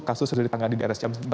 kasus yang sudah ditangani di rscm